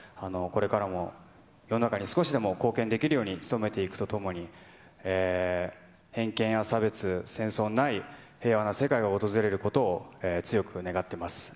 これからも世の中に少しでも貢献できるように努めていくとともに、偏見や差別、戦争のない平和な世界が訪れることを強く願っています。